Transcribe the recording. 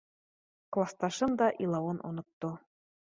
Класташым да илауын онотто.